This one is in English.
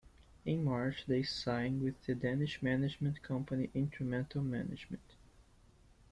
In March they signed with the Danish management company Intromental Management.